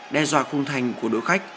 đe dọa khung thành của đội khách